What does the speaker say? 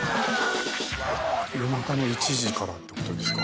夜中の１時からって事ですか。